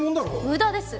無駄です。